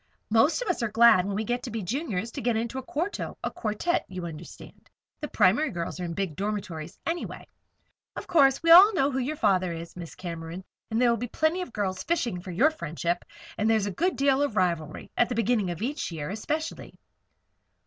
"Most of us are glad, when we get to be Juniors, to get into a quarto a quartette, you understand. The primary girls are in big dormitories, anyway. Of course, we all know who your father is, Miss Cameron, and there will be plenty of the girls fishing for your friendship. And there's a good deal of rivalry at the beginning of each year, especially."